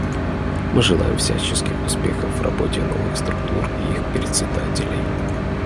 Мы желаем всяческих успехов в работе новых структур и их председателей.